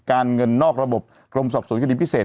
เงินนอกระบบกรมสอบสวนคดีพิเศษ